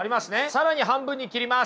更に半分に切ります。